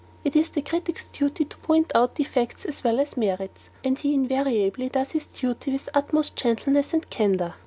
It is the critic's duty to point out defects as well as merits, and he invariably does his duty with utmost gentleness and candour.